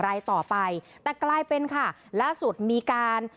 รายต่อไปแต่กลายเป็นค่ะล่าสุดมีการ